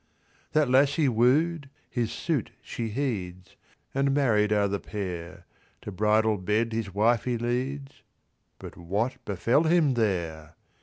That lass he wooed, his suit she heeds, And married are the pair; To bridal bed his wife he leads— But what befell him there?